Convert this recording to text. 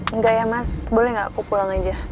enggak ya mas boleh nggak aku pulang aja